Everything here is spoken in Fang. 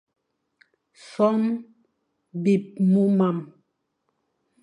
Son bibmuma.